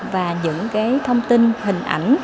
và những thông tin hình ảnh